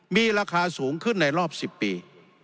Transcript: มีราคาสูงขึ้นในรอบ๑๐ปี